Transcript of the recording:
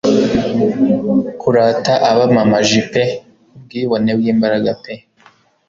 Kurata abamamaji pe ubwibone bw'imbaraga pe